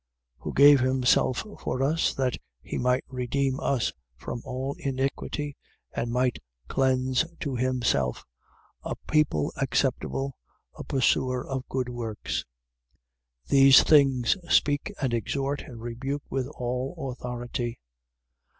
2:14. Who gave himself for us, that he might redeem us from all iniquity and might cleanse to himself a people acceptable, a pursuer of good works. 2:15. These things speak and exhort and rebuke with all authority.